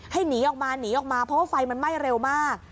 ให้หนีออกมาเพราะว่าไฟมันไหม้เร็วมาก